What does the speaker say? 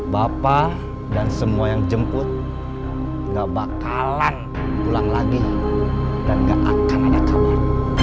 bapak dan semua yang jemput gak bakalan pulang lagi dan gak akan ada kabar